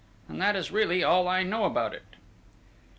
and that is really all I know about it!"